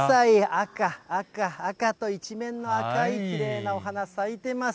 赤、赤、赤と一面の赤いきれいなお花、咲いてます。